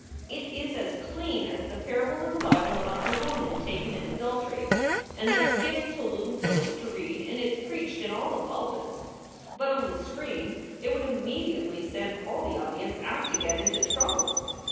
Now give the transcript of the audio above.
It is as clean as the parable in the Bible about the woman taken in adultery, and that s given to little girls to read and it s preached in all the pulpits. But on the screen it would immediately send all the audience out to get into trouble.